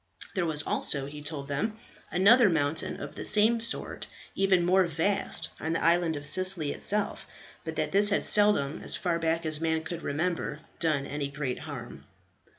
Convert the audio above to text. There was also, he told them, another mountain of the same sort, even more vast, on the island of Sicily itself; but that this had seldom, as far back as man could remember, done any great harm.